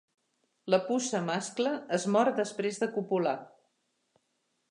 La puça mascle es mor després de copular.